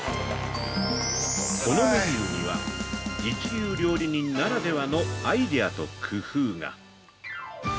◆このメニューには一流料理人ならではのアイデアと工夫が！